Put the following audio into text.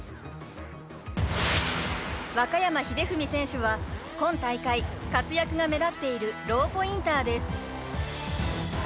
若山英史選手は今大会、活躍が目立っているローポインターです。